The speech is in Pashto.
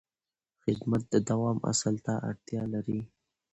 خدمت د دوام اصل ته اړتیا لري.